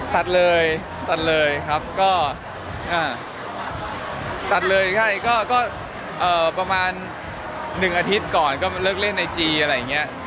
ตัดเลยประมาณ๑อาทิตย์ก่อนเลิกเล่นไอจี